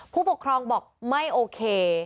ผู้ปกครองบอกไม่โอเค